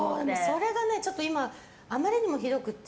それが今、あまりにもひどくて。